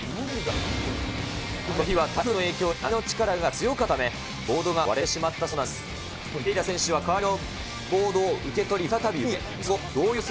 この日は台風の影響で、波の力が強かったため、ボードが割れてしまったそうなんです。